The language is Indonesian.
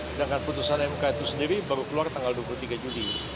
sedangkan putusan mk itu sendiri baru keluar tanggal dua puluh tiga juli